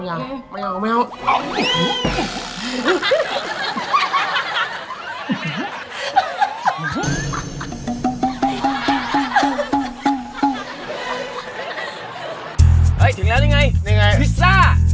เฮ้ยถึงแล้วนี่ไงพิซซ่า